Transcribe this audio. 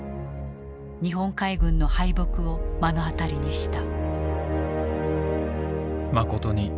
日本海軍の敗北を目の当たりにした。